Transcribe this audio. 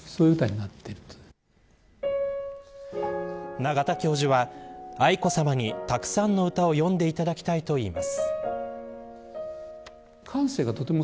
永田教授は愛子さまに、たくさんの歌を詠んでいただきたいと言います。